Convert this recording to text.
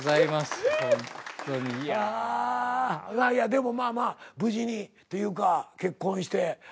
ああでもまあまあ無事にというか結婚して。